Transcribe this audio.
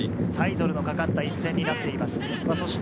タイトルのかかった一戦になっています。